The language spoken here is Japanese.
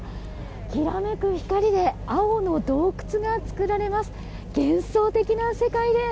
きらめく光で青の洞窟が作られます。